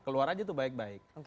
keluar aja tuh baik baik